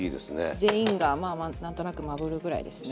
全員がまあ何となくまぶるぐらいですね。